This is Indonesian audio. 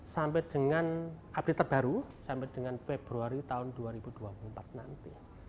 sampai dengan update terbaru sampai dengan februari tahun dua ribu dua puluh empat nanti